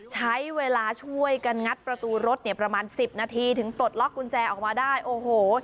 ใช้เวลาช่วยกันงัดประตูรถเนี่ยประมาณสิบนาทีถึงปลดล็อกกุญแจออกมาได้โอ้โห